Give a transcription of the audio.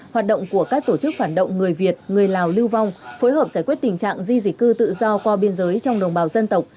hoạt động của các tổ chức phản động người việt người lào lưu vong phối hợp giải quyết tình trạng di di cư tự do qua biên giới trong đồng bào dân tộc